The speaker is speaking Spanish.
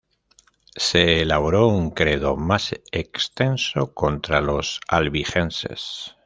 Se elaboró un credo más extenso, contra los albigenses.